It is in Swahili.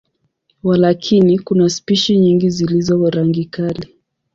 Walakini, kuna spishi nyingi zilizo rangi kali.